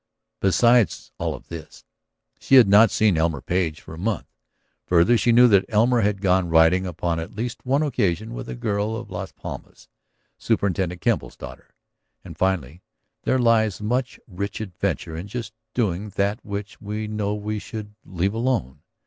Besides all of this, she had not seen Elmer Page for a month. Further, she knew that Elmer had gone riding upon at least one occasion with a girl of Las Palmas, Superintendent Kemble's daughter. And finally, there lies much rich adventure in just doing that which we know we should leave alone.